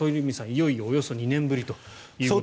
いよいよ、およそ２年ぶりと。